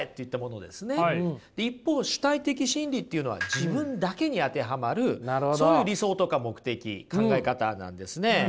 一方主体的真理っていうのは自分だけに当てはまるそういう理想とか目的考え方なんですね。